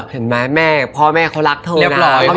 เห็นไหมม่าก็เพา่อแม่เขารักเธอเลย